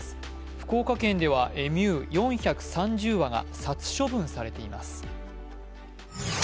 福岡県ではエミュー４３０羽が殺処分されています。